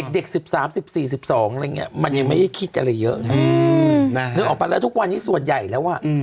เด็ก๑๓๑๔๑๒มันยังไม่คิดอะไรเยอะนึกออกไปแล้วทุกวันนี้ส่วนใหญ่แล้วอะ